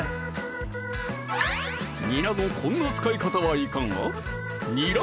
にらのこんな使い方はいかが？